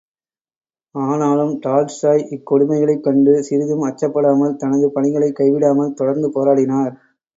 ஆனாலும், டால்ஸ்டாய் இக் கொடுமைகளைக் கண்டு சிறிதும் அச்சப்படாமல், தனது பணிகளைக் கைவிடாமல் தொடர்ந்து போராடினார்!